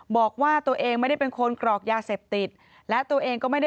บอกว่าตัวเองไม่ได้เป็นคนกรอกยาเสพติด